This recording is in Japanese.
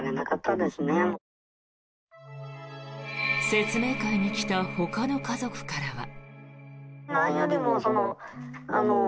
説明会に来たほかの家族からは。